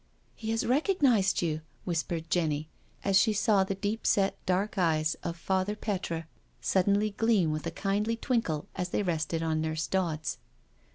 " He has recognised you," whispered Jenny, as she saw the deep set dark eyes of Father Petre suddenly gleam with a kindly twinkle as they rested on Nurse Dodds.